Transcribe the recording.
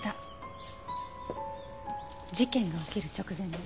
事件が起きる直前ね。